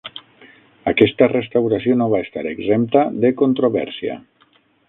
Aquesta restauració no va estar exempta de controvèrsia.